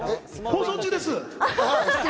放送中です。